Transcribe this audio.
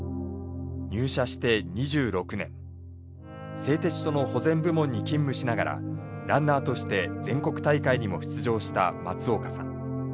製鉄所の保全部門に勤務しながらランナーとして全国大会にも出場した松岡さん。